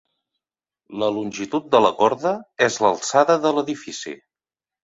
La longitud de la corda és l'alçada de l'edifici.